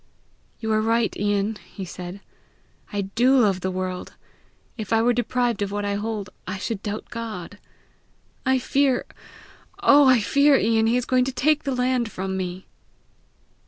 "You are right, Ian!" he said. "I do love the world! If I were deprived of what I hold, I should doubt God! I fear, oh, I fear, Ian, he is going to take the land from me!"